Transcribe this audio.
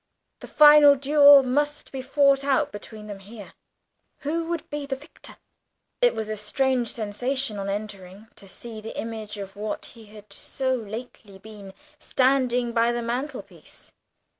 The final duel must be fought out between them here. Who would be the victor? It was a strange sensation on entering to see the image of what he had so lately been standing by the mantelpiece.